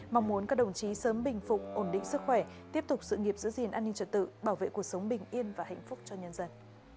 mong muốn các đồng chí sớm bình phục ổn định sức khỏe tiếp tục sự nghiệp giữ gìn an ninh trật tự bảo vệ cuộc sống bình yên và hạnh phúc cho nhân dân